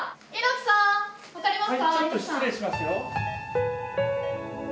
ちょっと失礼しますよ。